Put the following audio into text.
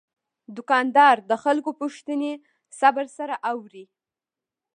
دوکاندار د خلکو پوښتنې صبر سره اوري.